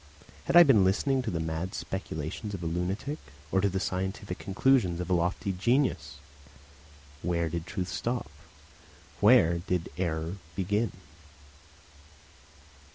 Had I been listening to the mad speculations of a lunatic, or to the scientific conclusions of a lofty genius? Where did truth stop? Where did error begin?